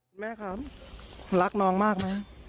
แม่ครับรักน้องมากไหม